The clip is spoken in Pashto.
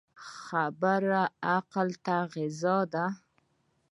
ښه خبره عقل ته غذا ده.